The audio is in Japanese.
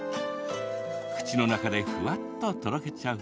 口の中でふわっととろけちゃう。